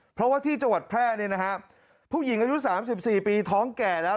เพราะว่าที่จังหวัดแพร่เนี่ยนะฮะผู้หญิงอายุ๓๔ปีท้องแก่แล้ว